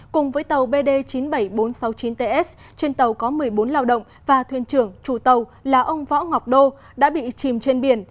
cùng với tàu bd chín mươi bảy nghìn bốn trăm sáu mươi chín ts trên tàu có một mươi bốn lao động và thuyền trưởng chủ tàu là ông võ ngọc đô đã bị chìm trên biển